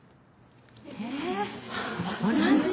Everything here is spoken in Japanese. えっ同じ？